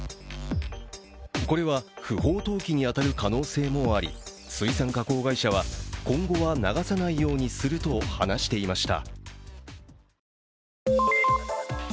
これは不法投棄に当たる可能性もあり水産加工会社は今後は流さないようにすると話していました。